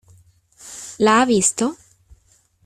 ¿ la ha visto?